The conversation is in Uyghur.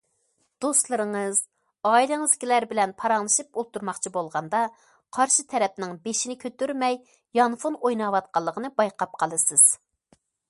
دوستلىرىڭىز، ئائىلىڭىزدىكىلەر بىلەن پاراڭلىشىپ ئولتۇرماقچى بولغاندا قارشى تەرەپنىڭ بېشىنى كۆتۈرمەي يانفون ئويناۋاتقانلىقىنى بايقاپ قالىسىز.